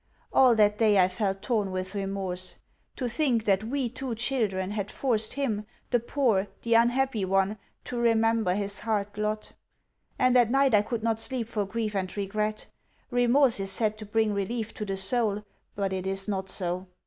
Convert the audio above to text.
All that day I felt torn with remorse. To think that we two children had forced him, the poor, the unhappy one, to remember his hard lot! And at night I could not sleep for grief and regret. Remorse is said to bring relief to the soul, but it is not so.